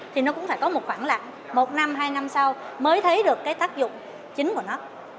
thì nó cũng phải có một khoảng là một năm hai năm sau mới thấy được cái tác dụng chính của nó